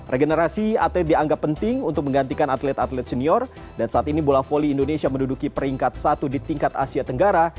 regenerasi atlet dianggap penting untuk menggantikan atlet atlet senior dan saat ini bola voli indonesia menduduki peringkat satu di tingkat asia tenggara